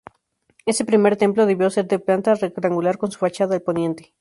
Ese primer templo debió ser de planta rectangular con su fachada al poniente.